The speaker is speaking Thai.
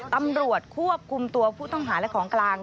ตำรวจควบคุมตัวผู้ต้องหาและของกลาง